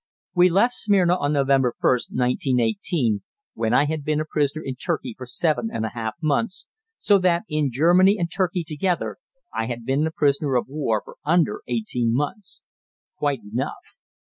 We left Smyrna on November 1st, 1918, when I had been a prisoner in Turkey for seven and a half months, so that, in Germany and Turkey together, I had been a prisoner of war for under eighteen months. Quite enough.